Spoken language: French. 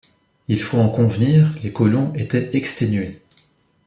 Il faut en convenir, les colons étaient exténués.